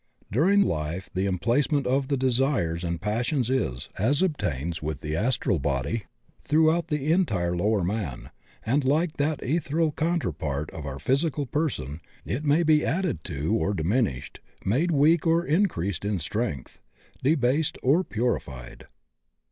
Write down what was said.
During life the emplacement of the desires and passions is, as obtains with the astral body, through out the entire lower man, and like that ethereal coun terpart of our physical person it may be added to or diminished, made weak or increased in strength, de based or purified.